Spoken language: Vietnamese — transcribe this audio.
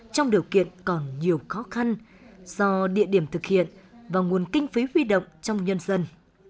trong điều kiện còn nhiều khó khăn do địa điểm thực hiện và nguồn kinh phí huy động trong nhân dân